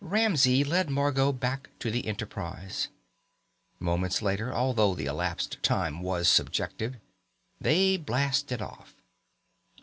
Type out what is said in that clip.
Ramsey led Margot back to the Enterprise. Moments later although the elapsed time was subjective they blasted off.